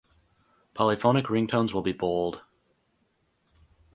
Polyphonic ringtones will be Bold.